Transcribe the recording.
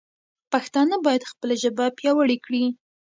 پښتانه باید خپله ژبه پیاوړې کړي.